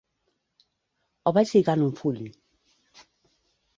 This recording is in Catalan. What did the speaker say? El vaig lligar en un full!